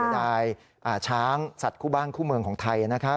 นายช้างสัตว์คู่บ้านคู่เมืองของไทยนะครับ